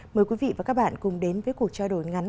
mời quý vị và các bạn cùng đến với cuộc trao đổi ngắn